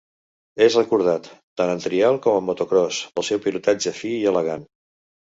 És recordat, tant en trial com en motocròs, pel seu pilotatge fi i elegant.